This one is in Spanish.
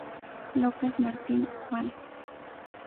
López Martín, Juan.